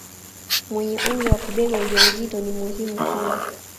mwenye umri wa kubeba ujauzito ni muhimu kula